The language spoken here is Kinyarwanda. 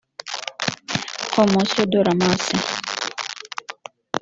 promotion de la masse